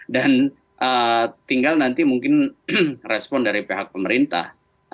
dan tinggal nanti mungkin respon dari pihak pemerintah